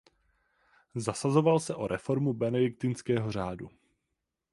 Zasazoval se o reformu benediktinského řádu.